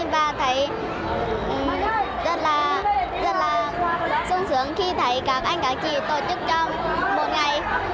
và thấy rất là xung sướng khi thấy các anh các chị tổ chức cho một ngày